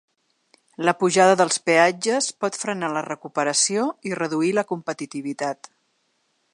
La pujada dels peatges pot frenar la recuperació i reduir la competitivitat.